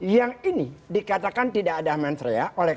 yang ini dikatakan tidak ada mensreya oleh kpk